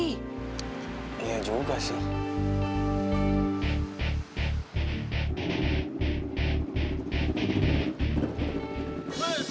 ulahnya ivan sama bocin yang udah asyik mondi